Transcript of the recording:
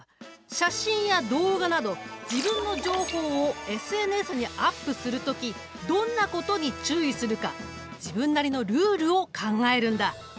写真や動画など自分の情報をＳＮＳにアップする時どんなことに注意するか自分なりのルールを考えるんだ！